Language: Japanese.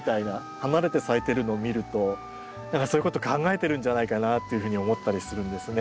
離れて咲いてるのを見るとそういうこと考えてるんじゃないかなっていうふうに思ったりするんですね。